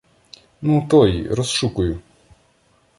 Ну, той, розшукую.